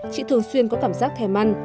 chị thường xuyên có cảm giác thèm ăn